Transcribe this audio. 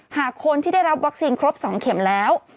หากคนที่ได้รับวัคซีนครบ๒เข็มแล้ว